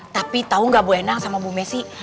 tapi tahu gak bu endang sama bu messi